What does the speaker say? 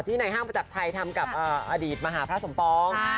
ในห้างประจักรชัยทำกับอดีตมหาพระสมปอง